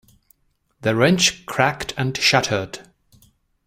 The wrench cracked and shattered.